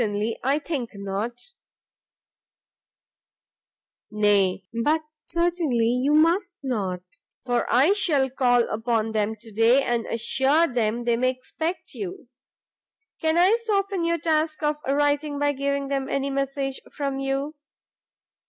"Certainly I think not." "Nay, but certainly you must not, for I shall call upon them to day, and assure them they may expect you. Can I soften your task of writing by giving them any message from you?"